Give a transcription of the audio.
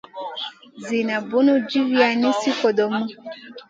Zida bunu djivia nizi kodomu.